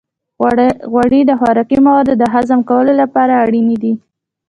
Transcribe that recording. غوړې د خوراکي موادو د هضم کولو لپاره اړینې دي.